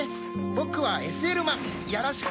ボクはＳＬマンよろしく。